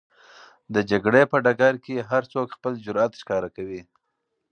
د جګړې په ډګر کې هر څوک خپل جرئت ښکاره کوي.